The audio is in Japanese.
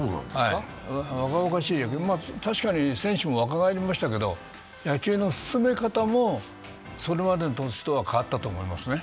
若々しい野球、確かに選手も若返りましたけど、野球の進め方もそれまでの年とは変わったと思いますね。